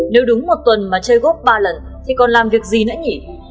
nếu đúng một tuần mà chơi gốc ba lần thì còn làm việc gì nữa nhỉ